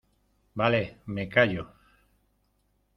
vale, me callo.